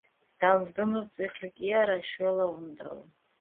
დავრდომილს წიხლი კი არა, შველა უნდაო